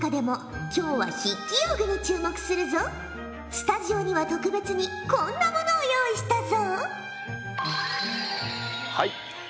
スタジオには特別にこんなものを用意したぞ。